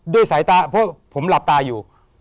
สายตาเพราะผมหลับตาอยู่